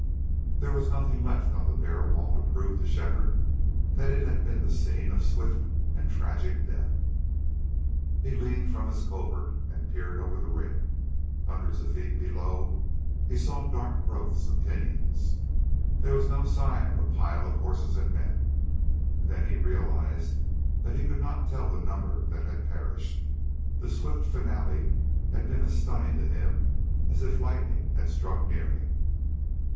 There was nothing left on the bare wall to prove to Shefford that it had been the scene of swift and tragic death. He leaned from his covert and peered over the rim. Hundreds of feet below he saw dark growths of pinyons. There was no sign of a pile of horses and men, and then he realized that he could not tell the number that had perished. The swift finale had been as stunning to him as if lightning had struck near him.